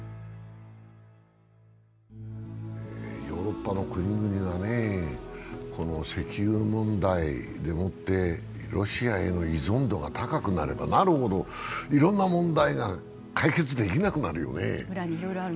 ヨーロッパの国々がね、この石油問題でもってロシアへの依存度が高くなればなるほど、いろんな問題が解決できなくなるよね。